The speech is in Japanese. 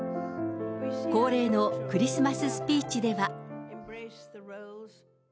恒例のクリスマススピーチでは。